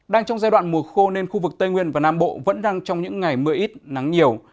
đang trong giai đoạn mùa khô nên khu vực tây nguyên và nam bộ vẫn đang trong những ngày mưa ít nắng nhiều